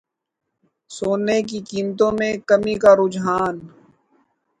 سونے کی قیمتوں میں کمی کا رجحان